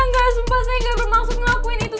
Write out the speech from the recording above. enggak sumpah saya gak bermaksud ngelakuin itu